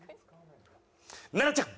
奈々ちゃん！